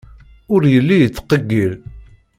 Ur yelli yettqeyyil.